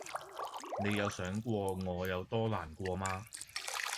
你有想過我有多難過嗎